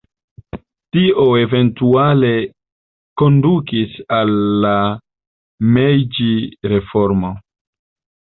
Tio eventuale kondukis al la Mejĝi-reformo.